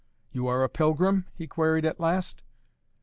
"You are a pilgrim?" he queried at last.